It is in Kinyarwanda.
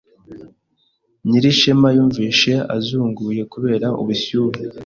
Nyirishema yumvise azunguye kubera ubushyuhe.